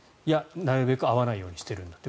なるべく会わないようにしているんだ